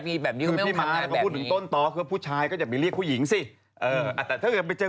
มีเลจกินข้าว